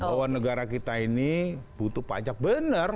bahwa negara kita ini butuh pajak benar